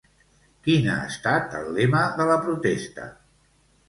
Quin ha estat el lema de la protesta?